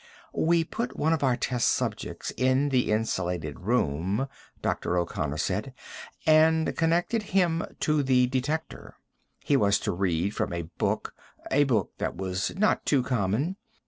"We put one of our test subjects in the insulated room," Dr. O'Connor said, "and connected him to the detector. He was to read from a book a book that was not too common.